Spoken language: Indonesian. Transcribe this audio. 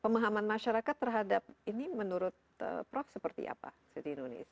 pemahaman masyarakat terhadap ini menurut prof seperti apa di indonesia